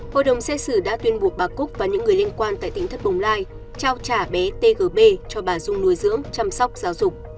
hội đồng xét xử đã tuyên buộc bà cúc và những người liên quan tại tỉnh thất bồng lai trao trả bé tgb cho bà dung nuôi dưỡng chăm sóc giáo dục